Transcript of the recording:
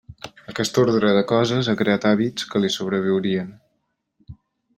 Aquest ordre de coses ha creat hàbits que li sobreviurien.